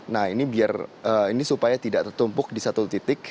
nah ini supaya tidak tertumpuk di satu titik